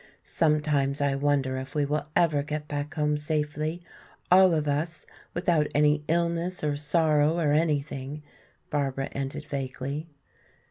Sometimes I wonder if we will ever get back home safely, all of us, without any illness or sorrow or anything," Barbara ended vaguely.